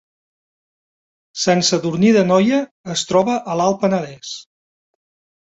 Sant Sadurní d’Anoia es troba a l’Alt Penedès